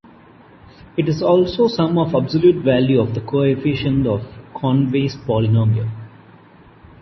It is also sum of absolute value of the coefficients of Conway's polynomial.